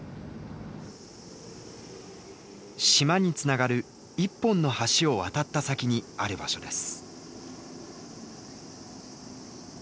島につながる一本の橋を渡った先にある場所です。